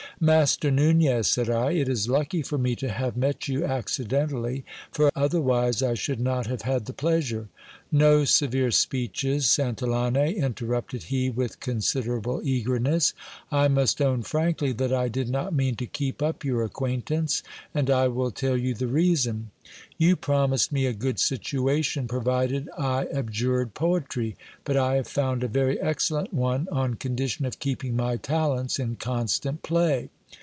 Master Nunez, said I, it is lucky for me to have met you accidentally ; for otherwise I should not have had the pleasure .... No severe speeches, San tillane, interrupted he with considerable eagerness : I must own frankly that I did not mean to keep up your acquaintance, and I will tell you the reason. You promised me a good situation provided I abjured poetry, but I have found a very excellent one, on condition of keeping my talents in constant play.